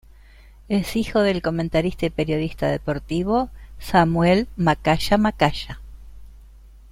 Es hijo del comentarista y periodista deportivo Samuel Macaya Macaya.